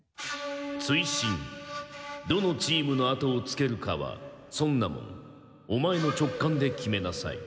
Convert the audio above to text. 「追伸どのチームのあとをつけるかは尊奈門お前の直感で決めなさい。